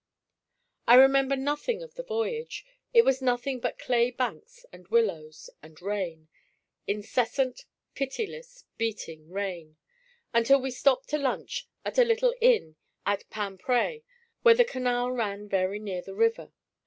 I remember nothing of the voyage; it was nothing but clay banks and willows, and rain; incessant, pitiless, beating rain; until we stopped to lunch at a little inn at Pimprez, where the canal ran very near the river.